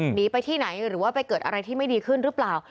หนีไปที่ไหนหรือว่าไปเกิดอะไรที่ไม่ดีขึ้นหรือเปล่า